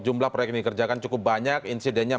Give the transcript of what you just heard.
jumlah proyek yang dikerjakan cukup banyak insidennya